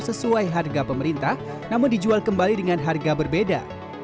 sesuai harga pemerintah namun dijual kembali dengan harga berbeda